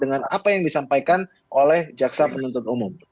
dengan apa yang disampaikan oleh jaksa penuntut umum